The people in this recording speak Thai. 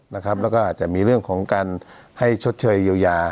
แล้วก็อาจจะมีเรื่องของการให้ชดเชยเยียวยา